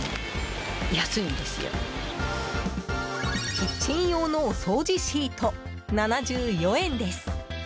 キッチン用のお掃除シート７４円です。